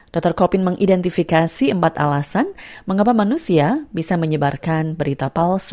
dokter kopin mengidentifikasi empat alasan mengapa manusia bisa menyebarkan berita palsu